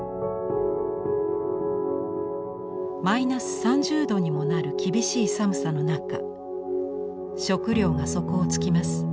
マイナス３０度にもなる厳しい寒さの中食料が底をつきます。